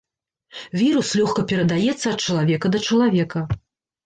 Вірус лёгка перадаецца ад чалавека да чалавека.